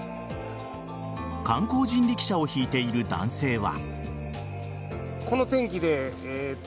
観光人力車を引いている男性は。